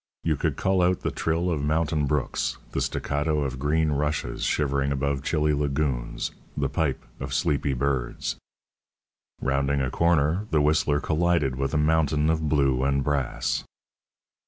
You could cull out the trill of mountain brooks, the staccato of green rushes shivering above chilly lagoons, the pipe of sleepy birds. Rounding a corner, the whistler collided with a mountain of blue and brass.